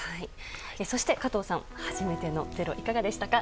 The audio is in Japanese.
そして加藤さん、初めての「ｚｅｒｏ」はいかがでしたか？